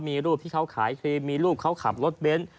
มีรูปที่เขาขายครีมมีรูปเขาขับรถเบนท์